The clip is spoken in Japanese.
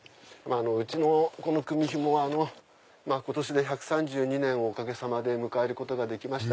うちのこの組み紐は今年で１３２年をおかげさまで迎えることができました。